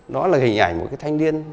đó là hình ảnh một cái thanh niên